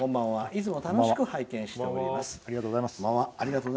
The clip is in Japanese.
いつも楽しく拝見しています。